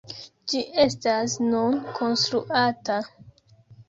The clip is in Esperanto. Ĝi estas nun konstruata.